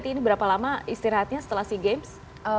ini berapa lama istirahatnya setelah sea games